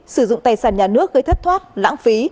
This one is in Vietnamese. sử dụng tài sản nhà nước gây thất thoát lãng phí